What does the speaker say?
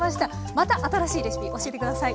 また新しいレシピ教えて下さい。